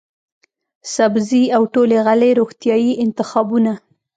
سبزۍ او ټولې غلې روغتیايي انتخابونه،